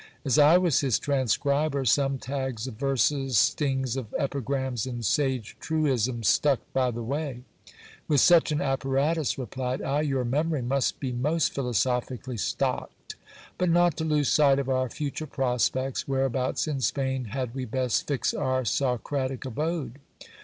As I was his transcriber, some tags of verses, stings of epigrams, and sage truisms stuck by the way. With such an apparatus, replied I, your memory must be most philosophically stocked. But, not to lose sight of our future prospects, whereabouts in Spain had we best fix our Socratiq abode